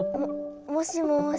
もしもし。